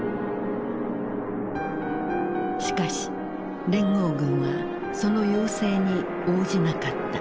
しかし連合軍はその要請に応じなかった。